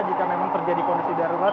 jika memang terjadi kondisi darurat